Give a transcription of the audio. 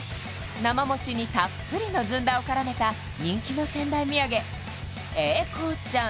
生餅にたっぷりのずんだをからめた人気の仙台土産英孝ちゃん